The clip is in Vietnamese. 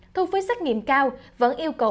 thu phí xét nghiệm cao vẫn yêu cầu